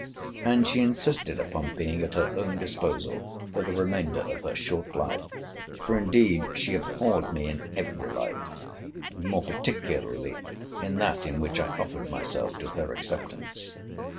And she insisted upon being at her own disposal for the remainder of her short life—for indeed she abhorred me in every light; and more particularly in that in which I offered myself to her acceptance.